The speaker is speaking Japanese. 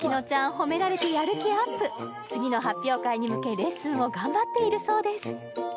褒められて次の発表会に向けレッスンを頑張っているそうです